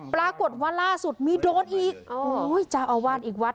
ปรากฏว่าล่าสุดมีโดนอีกโอ้ยเจ้าอาวาสอีกวัด